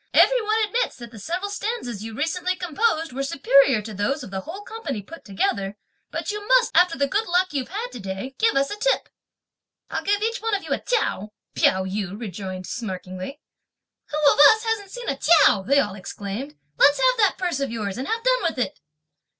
Every one admits that the several stanzas you recently composed were superior to those of the whole company put together; but you must, after the good luck you've had to day, give us a tip!" "I'll give each one of you a tiao," Pao yü rejoined smirkingly. "Who of us hasn't seen a tiao?" they all exclaimed, "let's have that purse of yours, and have done with it!"